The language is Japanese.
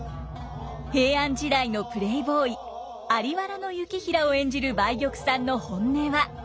平安時代のプレーボーイ在原行平を演じる梅玉さんの本音は。